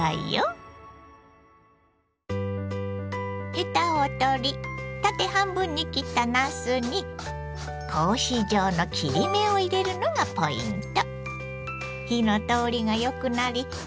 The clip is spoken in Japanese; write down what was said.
ヘタを取り縦半分に切ったなすに格子状の切り目を入れるのがポイント。